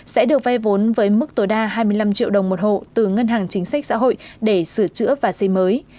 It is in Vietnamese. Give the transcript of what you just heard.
sẽ được vay vốn với mức tối đa hai mươi năm triệu đồng một hộ từ ngân hàng chính sách xã hội để sửa chữa và xây mới